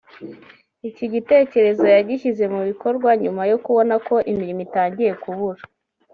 Iki gitekerezo yagishyize mu bikorwa nyuma yo kubona ko imirimo itangiye kubura